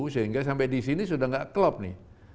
sehingga sampai disini sudah gak kelop nih